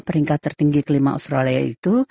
peringkat tertinggi kelima australia itu